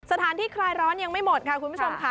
คลายร้อนยังไม่หมดค่ะคุณผู้ชมค่ะ